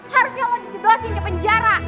harusnya lo dikeblosin ke penjara